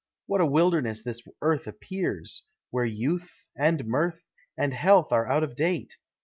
what a wilderness the earth appears, Where Youth, and Mirth, and Health are out of date!